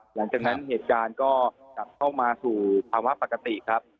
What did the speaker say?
หลังจากนั้นเหตุการณ์ก็กลับเข้ามาสู่ภาวะปกติครับ